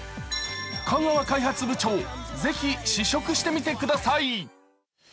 香川開発部長、ぜひ試食してみてください。